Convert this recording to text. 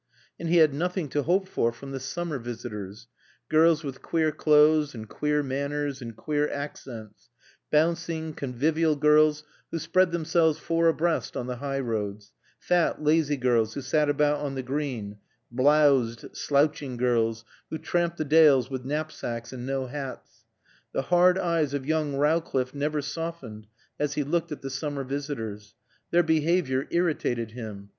And he had nothing to hope for from the summer visitors, girls with queer clothes and queer manners and queer accents; bouncing, convivial girls who spread themselves four abreast on the high roads; fat, lazy girls who sat about on the Green; blowsed, slouching girls who tramped the dales with knapsacks and no hats. The hard eyes of young Rowcliffe never softened as he looked at the summer visitors. Their behavior irritated him.